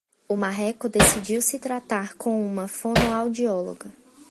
O marreco decidiu se tratar com uma fonoaudióloga